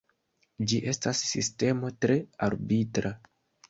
Ĝi estas sistemo tre arbitra.